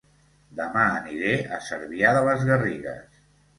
Dema aniré a Cervià de les Garrigues